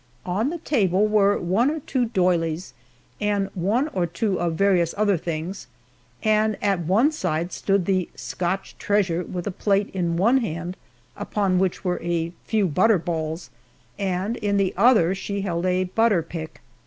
On the table were one or two doilies, and one or two of various other things, and at one side stood the Scotch treasure with a plate in one hand upon which were a few butter balls, and in the other she held a butter pick.